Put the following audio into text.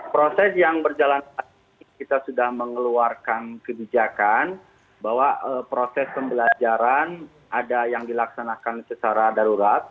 proses yang berjalan kita sudah mengeluarkan kebijakan bahwa proses pembelajaran ada yang dilaksanakan secara darurat